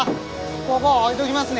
こご置いときますね。